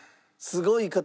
すごい人。